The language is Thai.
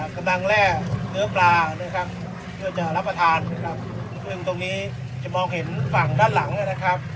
ก่อนเนั้นที่คือก๋อกระโลกนะครับที่ที่เรามองเห็นข้างหลังนะครับ